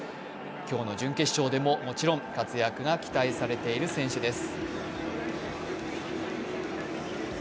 今日の準決勝でももちろん活躍が期待されている選手です。